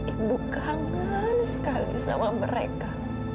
ibu kangen sekali sama mereka